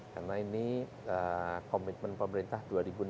karena ini komitmen pemerintah dua ribu enam puluh